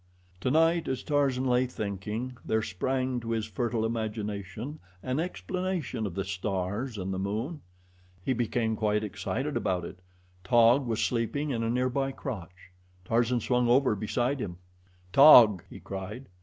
Tonight as Tarzan lay thinking, there sprang to his fertile imagination an explanation of the stars and the moon. He became quite excited about it. Taug was sleeping in a nearby crotch. Tarzan swung over beside him. "Taug!" he cried.